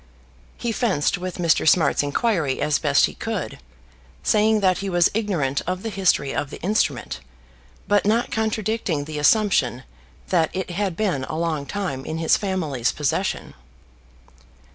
He fenced with Mr. Smart's inquiry as best he could, saying that he was ignorant of the history of the instrument, but not contradicting the assumption that it had been a long time in his family's possession.